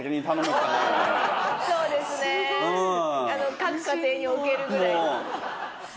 各家庭に置けるぐらいの。